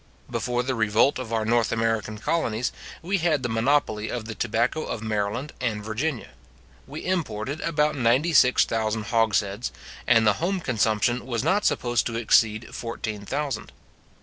Before the revolt of our North American colonies, we had the monopoly of the tobacco of Maryland and Virginia. We imported about ninety six thousand hogsheads, and the home consumption was not supposed to exceed fourteen thousand.